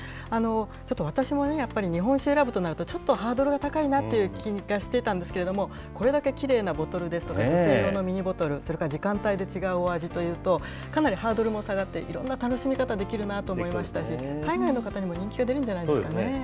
ちょっと私もね、やっぱり日本酒を選ぶとなると、ちょっとハードルが高いなという気がしてたんですけれども、これだけきれいなボトルですとか、女性用の水色のミニボトル、それから時間帯で違うお味というと、かなりハードルが下がって、いろんな楽しみ方ができるなと思いましたし、海外の方にも人気が出るんじゃないですかね。